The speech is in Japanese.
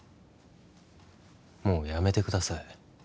もうやめてください